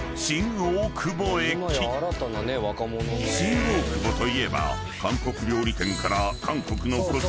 ［新大久保といえば韓国料理店から韓国のコスメショップ